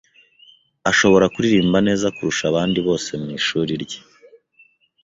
Ashobora kuririmba neza kurusha abandi bose mu ishuri rye.